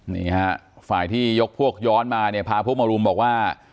นี่ฮะฝ่ายที่ยกพวกย้อนมาเนี่ยพาพวกมารุมบอกว่า